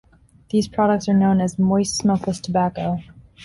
These products are known as moist smokeless tobacco.